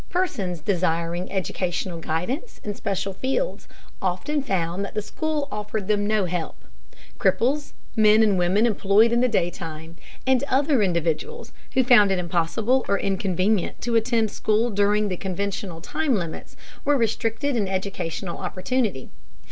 Persons desiring educational guidance in special fields often found that the school offered them no help. Cripples, men and women employed in the daytime, and other individuals who found it impossible or inconvenient to attend school during the conventional time limits, were restricted in educational opportunity.